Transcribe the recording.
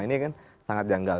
ini kan sangat janggal